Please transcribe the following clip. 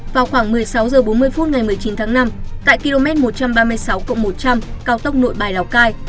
vào khoảng một mươi sáu h bốn mươi phút ngày một mươi chín tháng năm tại km một trăm ba mươi sáu cộng một trăm linh cao tốc nội bài lào cai